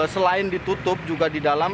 selain ditutup juga di dalam